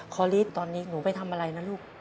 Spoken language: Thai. คอลิสตอนนี้หนูไปทำอะไรนะลูก